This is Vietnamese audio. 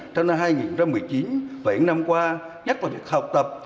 trong năm hai nghìn một mươi chín và những năm qua nhất là được học tập